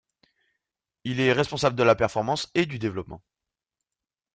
Il est responsable de la performance et du développement.